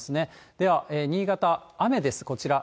では、新潟、雨です、こちら。